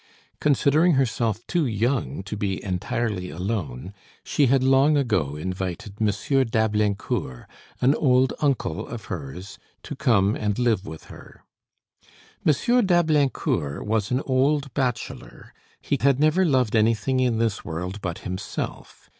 Considering herself too young to be entirely alone, she had long ago invited M. d'Ablaincourt, an old uncle of hers, to come and live with her. M. d'Ablaincourt was an old bachelor; he had never loved anything in this world but himself.